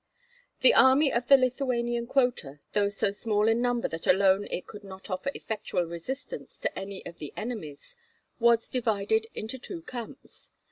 The army of the Lithuanian quota, though so small in number that alone it could not offer effectual resistance to any of the enemies, was divided into two camps.